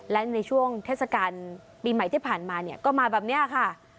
และในช่วงเทศกาลปีใหม่ที่ผ่านมาเนี่ยก็มาแบบนี้ค่ะ